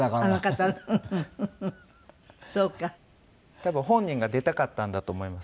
多分本人が出たかったんだと思います。